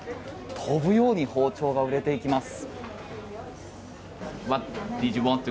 飛ぶように包丁が売れていきます。